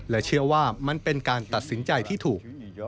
เชื่อว่ามันเป็นการตัดสินใจที่ถูก